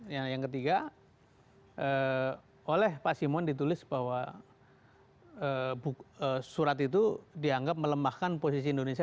dan tiga oleh pak simon ditulis bahwa surat itu dianggap melemahkan posisi indonesia